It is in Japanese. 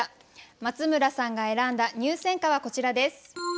松村さんが選んだ入選歌はこちらです。